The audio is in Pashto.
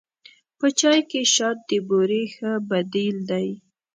په چای کې شات د بوري ښه بدیل دی.